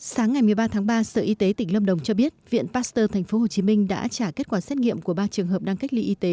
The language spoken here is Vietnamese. sáng ngày một mươi ba tháng ba sở y tế tỉnh lâm đồng cho biết viện pasteur tp hcm đã trả kết quả xét nghiệm của ba trường hợp đang cách ly y tế